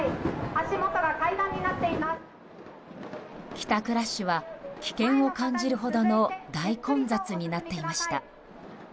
帰宅ラッシュは危険を感じるほどの大混雑になっていました。